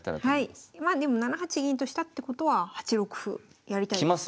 まあでも７八銀としたってことは８六歩やりたいです。